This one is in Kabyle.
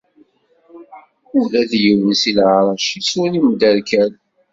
Ula d yiwen si leɛrac-is ur imderkal.